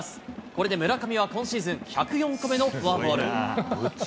これで村上は今シーズン１０４個目のフォアボール。